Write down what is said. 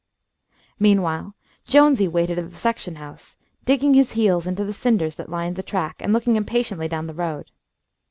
Meanwhile Jonesy waited at the section house, digging his heels into the cinders that lined the track, and looking impatiently down the road.